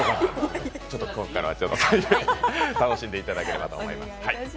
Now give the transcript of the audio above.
ここからは楽しんでいただければと思います。